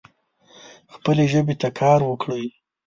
خپلې ژبې ته کار وکړئ